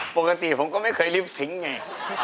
ปกติผมก็ไม่เคยลิฟต์ทิ้งไง